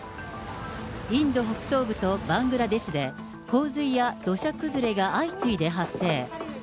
インド北東部とバングラデシュで洪水や土砂崩れが相次いで発生。